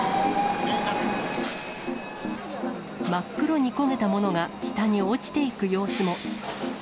真っ黒に焦げたものが下に落ちていく様子も。